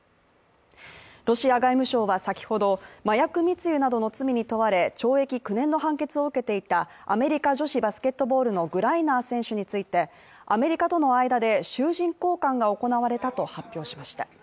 ロシア外務省は先ほど、麻薬密輸などの罪に問われ、懲役９年の判決を受けていたアメリカ女子バスケットボールのグライナー選手についてアメリカとの間で囚人交換が行われたと発表しました。